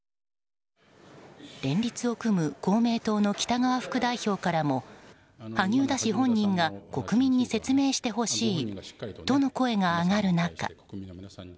連立を組む公明党の北側副代表からも萩生田氏本人が国民に説明してほしいとの声が上がる中